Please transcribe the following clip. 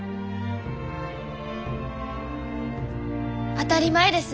当たり前です。